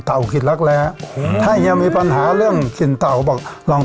โหถ้าเถอะมันแห้งสบาย